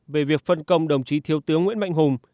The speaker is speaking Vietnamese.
về việc phân công đồng chí thiếu tướng nguyễn mạnh hùng